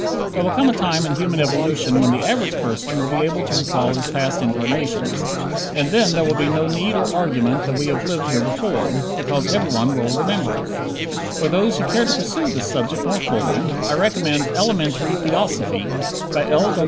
There will come a time in human evolution when the average person will be able to recall his past incarnations, and then there will be no need or argument that we have lived here before, because everyone will remember it. For those who care to pursue this subject more fully, I recommend "Elementary Theosophy," by L.